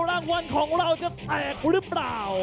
รางวัลของเราจะแตกหรือเปล่า